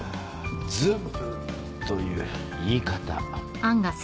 ズブという言い方。